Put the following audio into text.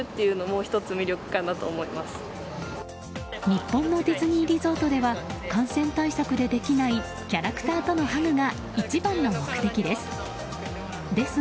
日本のディズニーリゾートでは感染対策でできないキャラクターとのハグが一番の目的です。